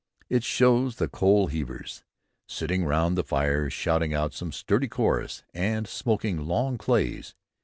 It shows the coal heavers sitting round the fire shouting out "some sturdy chorus," and smoking long clays.